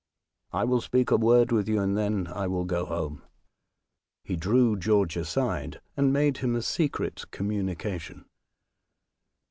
I will speak a word with you, and then I will go home." He drew George aside, and made him a secret communication.